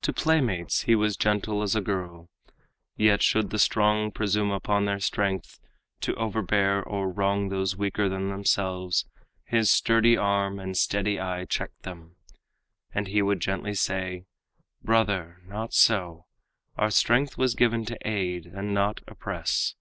To playmates he was gentle as a girl; Yet should the strong presume upon their strength To overbear or wrong those weaker than themselves, His sturdy arm and steady eye checked them, And he would gently say, "Brother, not so; Our strength was given to aid and not oppress."